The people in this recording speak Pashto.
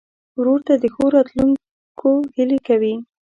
ورور ته د ښو راتلونکو هیلې کوې.